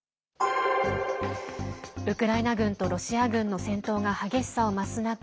ウクライナ軍とロシア軍の戦闘が激しさを増す中